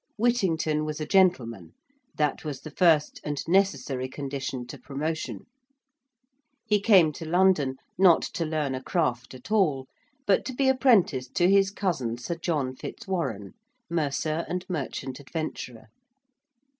Whittington was a gentleman: that was the first and necessary condition to promotion: he came to London, not to learn a craft at all, but to be apprenticed to his cousin Sir John Fitzwarren, Mercer and Merchant Adventurer.